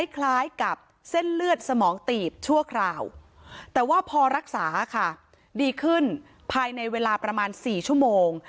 คล้ายกับเส้นเลือดสมองตีบชั่วคราวแต่ว่าพอรักษาค่ะดีขึ้นภายในเวลาประมาณ๔ชั่วโมง